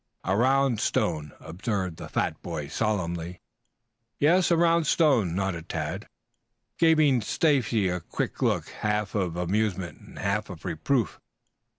"A round stone," observed the fat boy solemnly. "Yes, a round stone," nodded Tad, giving Stacy a quick look half of amusement, half of reproof.